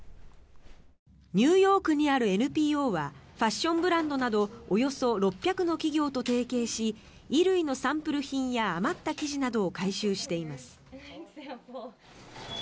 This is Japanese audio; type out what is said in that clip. ニューヨークにあるＮＰＯはファッションブランドなどおよそ６００の企業と提携し衣類のサンプル品や余った生地などを回収しています。